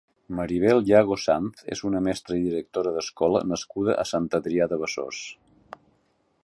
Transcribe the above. Maribel Yago Sanz és una mestra i directora d'escola nascuda a Sant Adrià de Besòs.